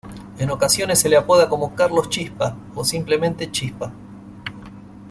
En ocasiones se le apoda como "Carlos Chispa" o simplemente "Chispa".